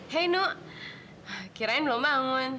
hei nu kirain belum bangun